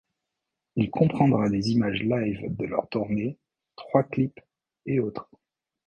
Il comprendra des images live de leur tournée, trois clips, et autres.